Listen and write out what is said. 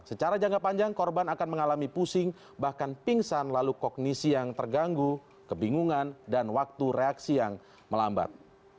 secara jangka panjang korban akan mengalami pusing bahkan pingsan lalu kognisi yang terganggu kebingungan dan waktu reaksi yang melambat